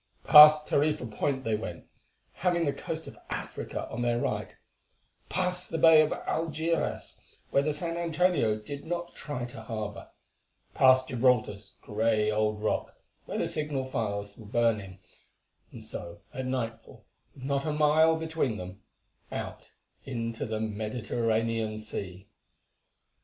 Past Tarifa Point they went, having the coast of Africa on their right; past the bay of Algeçiras, where the San Antonio did not try to harbour; past Gibraltar's grey old rock, where the signal fires were burning, and so at nightfall, with not a mile between them, out into the Mediterranean Sea.